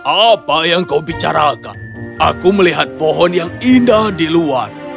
apa yang kau bicarakan aku melihat pohon yang indah di luar